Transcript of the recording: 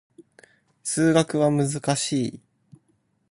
数学は難しい